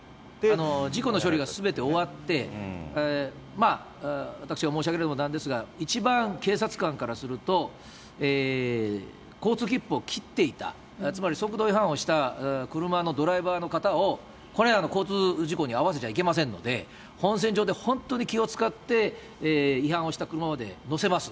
事故の処理がすべて終わって、私が申し上げるのもなんですが、一番警察官からすると、交通切符を切っていた、つまり速度違反をした車のドライバーの方を、これ、交通事故に遭わせちゃいけませんので、本線上で本当に気を遣って、違反をした車まで乗せます。